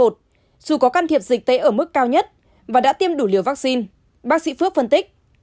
dù có can thiệp dịch tế ở mức cao nhất và đã tiêm đủ liều vaccine bác sĩ phước phân tích